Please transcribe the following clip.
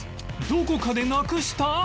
どこかでなくした！